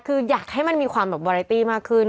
คือยากให้มันมีความวารายตี้มากขึ้น